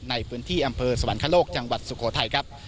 ในพื้นที่อำเภอสวรรคโลกจังหวัดสุโขทัยครับ